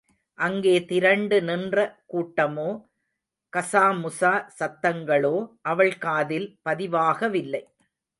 அங்கே திரண்டு நின்ற கூட்டமோ, கசாமுசா சத்தங்களோ, அவள் காதில் பதிவாகவில்லை.